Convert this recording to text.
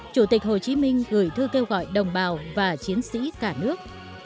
chủ tịch hồ chí minh gửi thư kêu gọi đồng bào và chiến sĩ cả nước